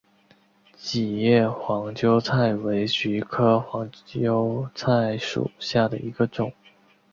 戟叶黄鹌菜为菊科黄鹌菜属下的一个种。